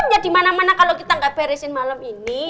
jadi mana mana kalau kita gak beresin malam ini